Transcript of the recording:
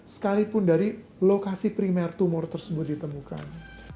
sekalipun dari lokasi primer tumor tersebut ditemukan